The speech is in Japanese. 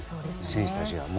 選手たちが。